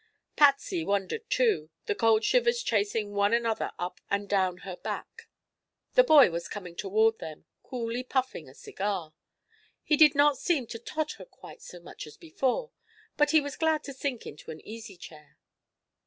Patsy wondered, too, the cold shivers chasing one another up and down her back. The boy was coming toward them, coolly puffing a cigar. He did not seem to totter quite so much as before, but he was glad to sink into an easy chair.